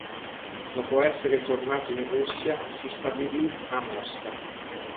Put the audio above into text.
Dopo essere tornato in Russia, si stabilì a Mosca.